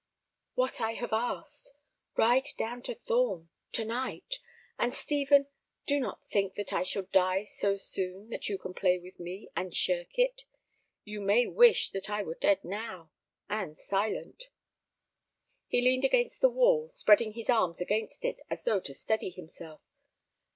"What I have asked. Ride down to Thorn—to night. And, Stephen, do not think that I shall die—so soon—that you can play with me—and shirk it. You may wish that I were dead now—and silent." He leaned against the wall, spreading his arms against it as though to steady himself.